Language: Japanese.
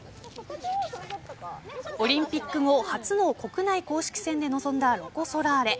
オリンピック後初の国内公式戦に臨んだロコ・ソラーレ。